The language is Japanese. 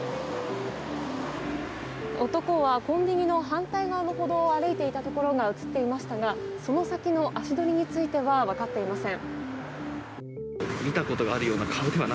男はコンビニの反対側の歩道を歩いていたところが映っていましたがその先の足取りについては分かっていません。